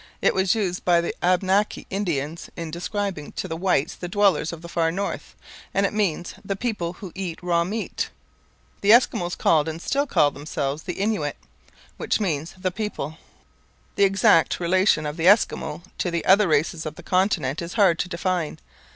It was used by the Abnaki Indians in describing to the whites the dwellers of the far north, and it means 'the people who eat raw meat.' The Eskimo called and still call themselves the Innuit, which means 'the people.' The exact relation of the Eskimo to the other races of the continent is hard to define.